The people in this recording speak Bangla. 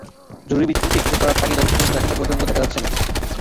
জরুরি ভিত্তিতে কিছু করার তাগিদ অন্তত এখন পর্যন্ত দেখা যাচ্ছে না।